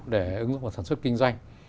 để ứng dụng vào sản xuất kinh doanh